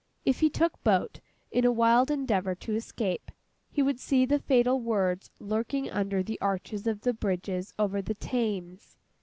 If he took boat, in a wild endeavour to escape, he would see the fatal words lurking under the arches of the bridges over the Thames.